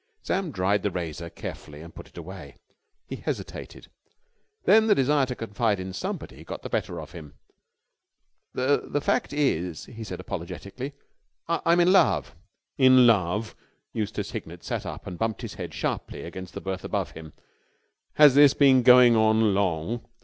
Sam dried the razor carefully and put it away. He hesitated. Then the desire to confide in somebody got the better of him. "The fact is," he said apologetically, "I'm in love!" "In love!" Eustace Hignett sat up and bumped his head sharply against the berth above him. "Has this been going on long?"